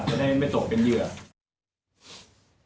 จะได้ไม่ตกเป็นเหยื่อ